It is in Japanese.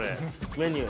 メニュー。